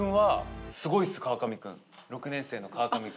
６年生の川上君。